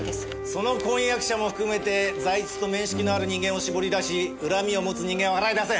その婚約者も含めて財津と面識のある人間を絞り出し恨みを持つ人間を洗い出せ。